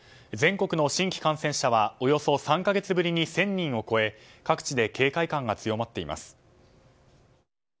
全国の新規感染者はおよそ３か月ぶりに１０００人を超え各地で警戒感が強まっています。